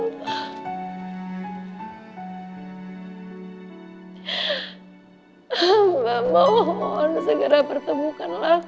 dan hamba minta kepadamu ya allah